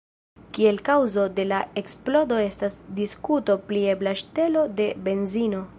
Kiel kaŭzo de la eksplodo estas diskuto pri ebla ŝtelo de benzino.